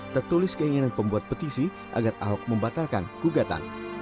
tertulis keinginan pembuat petisi agar ahok membatalkan gugatan